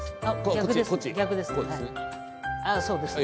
逆ですね。